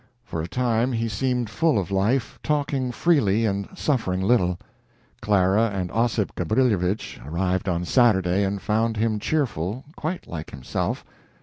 For a time he seemed full of life, talking freely, and suffering little. Clara and Ossip Gabrilowitsch arrived on Saturday and found him cheerful, quite like himself.